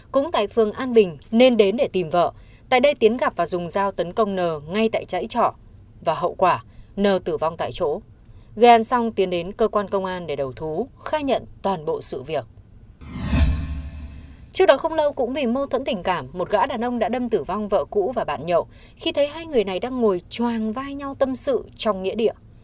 cũng vì mâu thuẫn tình cảm một gã đàn ông đã đâm tử vong vợ cũ và bạn nhậu khi thấy hai người này đang ngồi choàng vai nhau tâm sự trong nghĩa địa